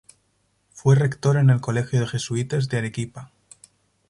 Fue Rector en el Colegio de Jesuitas de Arequipa.